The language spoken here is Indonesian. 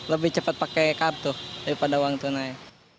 lebih cepat pakai kartu daripada uang tunai